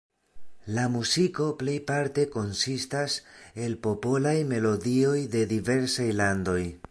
La muziko plejparte konsistas el popolaj melodioj de diversaj landoj.